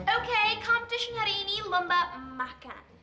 oke competition hari ini lembab makan